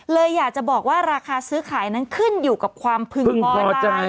เลยอยากจะบอกว่าราคาซื้อขายนั้นขึ้นอยู่กับความพึงพอใจ